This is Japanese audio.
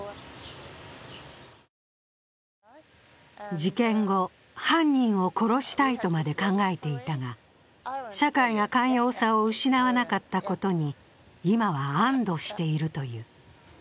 事件後、犯人を殺したいとまで考えていたが、社会が寛容さを失わなかったことに今は安どしているという。